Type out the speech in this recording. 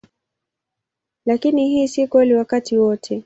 Lakini hii si kweli wakati wote.